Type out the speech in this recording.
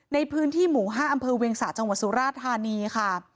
ในพื้นที่หมู่๕อำเภอเวียงสะจังหวัดสุราธานีค่ะ